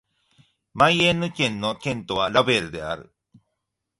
マイエンヌ県の県都はラヴァルである